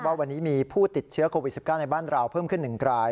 ว่าวันนี้มีผู้ติดเชื้อโควิด๑๙ในบ้านเราเพิ่มขึ้น๑ราย